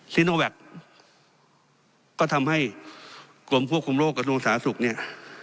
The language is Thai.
ซีโนแวคก็ทำให้กรมควบคุมโรคกระทรวงสาธารณสุขเนี่ย